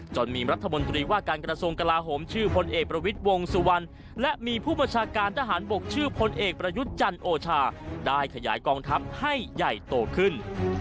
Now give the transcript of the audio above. มีรัฐมนตรีว่าการกระทรวงกลาโหมชื่อพลเอกประวิทย์วงสุวรรณและมีผู้บัญชาการทหารบกชื่อพลเอกประยุทธ์จันทร์โอชาได้ขยายกองทัพให้ใหญ่โตขึ้น